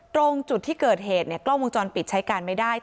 ตรงจุดที่เกิดเหตุเนี่ยกล้องวงจรปิดใช้การไม่ได้